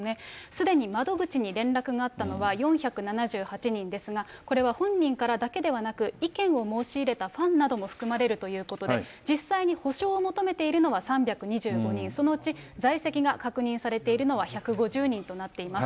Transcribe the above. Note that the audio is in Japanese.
すでに窓口に連絡があったのは４７８人ですが、これは本人からだけではなく、意見を申し入れたファンなども含まれるということで、実際に補償を求めているのは３２５人、そのうち在籍が確認されているのは１５０人となっています。